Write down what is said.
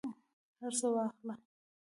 هرڅه واخله